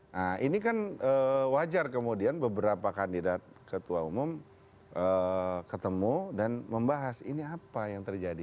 nah ini kan wajar kemudian beberapa kandidat ketua umum ketemu dan membahas ini apa yang terjadi